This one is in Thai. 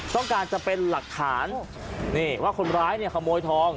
ต้องการความสามารถเป็นหลักฐานนี่ว่าคนร้ายขโมยทอง